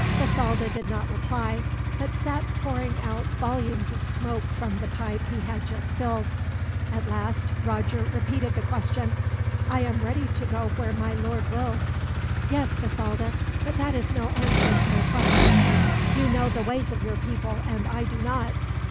Bathalda did not reply, but sat pouring out volumes of smoke from the pipe he had just filled. At last Roger repeated the question. "I am ready to go where my lord wills." "Yes, Bathalda; but that is no answer to my question. You know the ways of your people, and I do not.